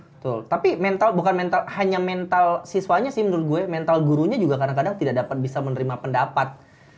betul tapi mental bukan hanya mental siswanya sih menurut gue mental gurunya juga kadang kadang tidak dapat bisa menerima pendapat